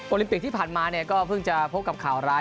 ลิมปิกที่ผ่านมาเนี่ยก็เพิ่งจะพบกับข่าวร้าย